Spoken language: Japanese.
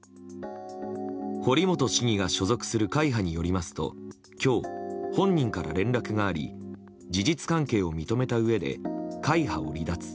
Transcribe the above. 堀本市議が所属する会派によりますと今日、本人から連絡があり事実関係を認めたうえで会派を離脱。